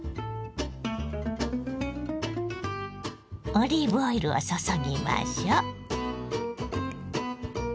オリーブオイルを注ぎましょう。